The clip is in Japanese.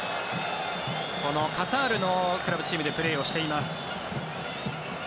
このカタールのクラブチームでプレーをしています。